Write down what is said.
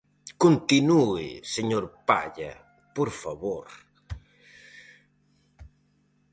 Continúe señor Palla, por favor.